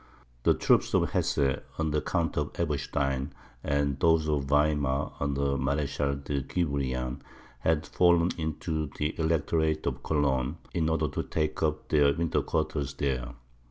The troops of Hesse, under Count Eberstein, and those of Weimar, under Mareschal de Guebriant, had fallen into the Electorate of Cologne, in order to take up their winter quarters there.